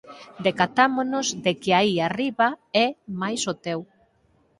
Decatámonos de que aí arriba é máis o teu